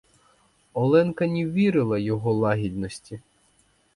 Оленка не вірила його лагідності.